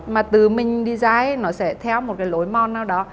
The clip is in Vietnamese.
mà từ mình design nó sẽ theo một cái lối mon nào đó